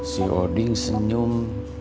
si odin senyum